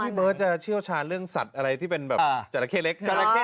พี่เมอร์จะเชี่ยวชาติอะไรที่เป็นแบบจาแล่ะเข้เล็ก